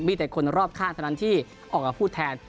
มีแต่คนรอบข้างเท่านั้นที่ออกมาพูดแทน